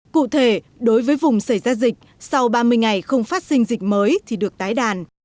cụ thể đối với vùng xảy ra dịch sau ba mươi ngày không phát sinh dịch mới thì được tái đàn